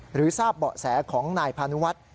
ทราบเบาะแสของนายพานุวัฒน์